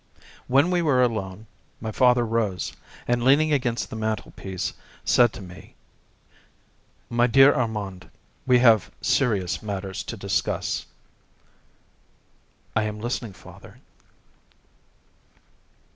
When we were alone, my father rose, and leaning against the mantel piece, said to me: "My dear Armand, we have serious matters to discuss." "I am listening, father."